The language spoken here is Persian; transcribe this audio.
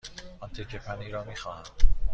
آن تکه پنیر را می خواهم.